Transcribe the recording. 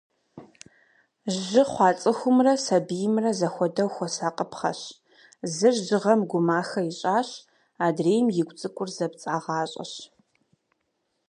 Жьы хъуа цӏыхумрэ, сэбиймрэ, зэхуэдэу хуэсакъыпхъэщ. Зыр жьыгъэм гумахэ ищӏащ, адрейм игу цӏыкӏур зэпцӏагъащӏэщ.